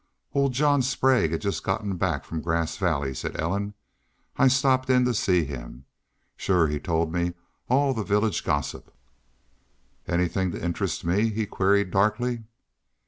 "Old John Sprague has just gotten back from Grass Valley," said Ellen. "I stopped in to see him. Shore he told me all the village gossip." "Anythin' to interest me?" he queried, darkly.